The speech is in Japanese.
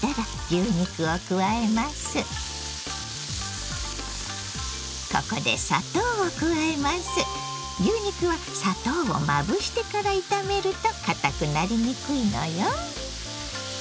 牛肉は砂糖をまぶしてから炒めるとかたくなりにくいのよ。